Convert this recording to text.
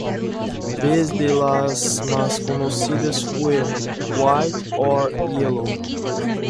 Tres de las más conocidas fueron "White or Yellow?